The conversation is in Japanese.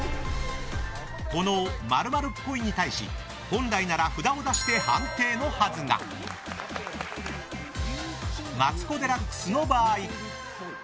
この○○っぽいに対し本来なら札を出して判定のはずがマツコ・デラックスの場合。